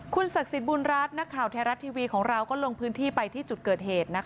คุณศักดิ์สิทธิ์บุญรัฐหน้าข่าวแทรวัลทีวีลงพื้นที่ไปที่จุดเกิดเหตุ